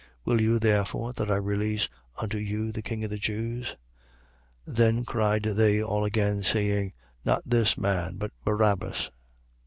Will you, therefore, that I release unto you the king of the Jews? 18:40. Then cried they all again, saying: Not this man, but Barabbas.